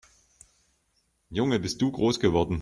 Junge, bist du groß geworden!